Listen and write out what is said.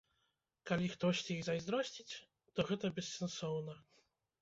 Калі хтосьці і зайздросціць, то гэта бессэнсоўна.